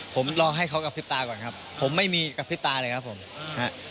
ผมรอให้เขากระพริบตาก่อนครับผมไม่มีกระพริบตาเลยครับผมฮะ